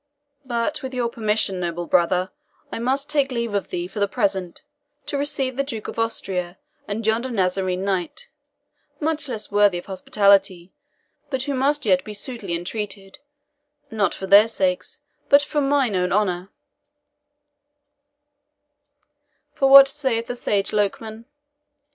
But with your permission, noble brother, I must take leave of thee for the present, to receive the Duke of Austria and yonder Nazarene knight, much less worthy of hospitality, but who must yet be suitably entreated, not for their sakes, but for mine own honour for what saith the sage Lokman?